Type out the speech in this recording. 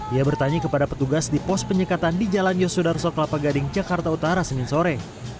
ia bertanya kepada petugas di pos penyekatan di jalan yosudarso kelapa gading jakarta utara senin sore